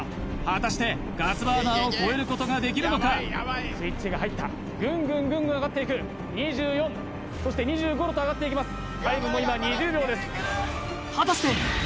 果たしてガスバーナーを超えることができるのかスイッチが入ったぐんぐんぐんぐん上がっていく２４そして２５℃と上がっていきます